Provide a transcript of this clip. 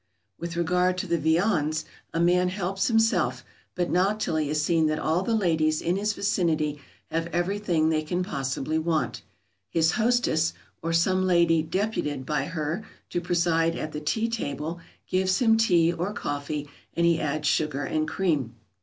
] With regard to the viands, a man helps himself, but not till he has seen that all the ladies in his vicinity have everything they can possibly want. His hostess, or some lady deputed by her to preside at the tea table, gives him tea or coffee, and he adds sugar and cream. [Sidenote: Afternoon at homes.